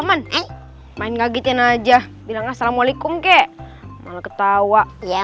main main gagetin aja bilang assalamualaikum kek ketawa ya